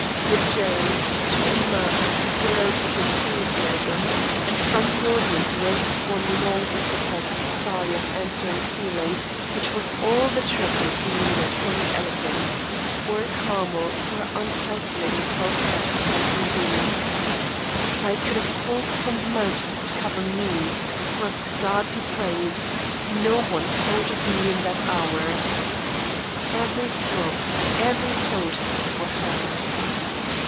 The jury, to a man, glowed with enthusiasm, and from the audience rose one long and suppressed sigh of answering feeling, which was all the tribute he needed for his eloquence or Carmel for her uncalculating, self sacrificing deed. I could have called upon the mountains to cover me; but God be praised no one thought of me in that hour. Every throb, every thought was for her.